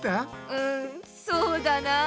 うんそうだなあ。